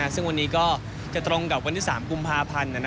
ซึ่งวันนี้ก็จะตรงกับวันที่๓กุมภาพันธ์